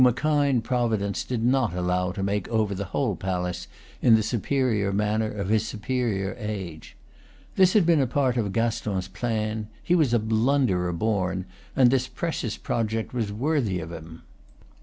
a kind pro vidence did not allow to make over the whole palace in the superior manner of his superior age. This had been a part of Gaston's plan, he was a blunderer born, and this precious project was worthy of him.